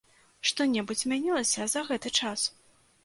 Што-небудзь змянілася за гэты час?